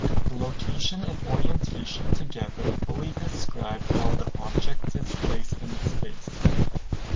The location and orientation together fully describe how the object is placed in space.